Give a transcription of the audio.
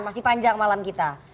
masih panjang malam kita